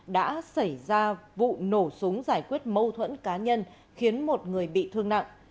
đã xảy ra vụ nổ súng giải quyết mâu thuẫn cá nhân khiến một người bị thương nặng